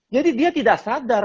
jadi dia tidak sadar